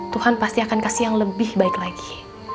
tuhan pasti akan kasih yang lebih baik lagi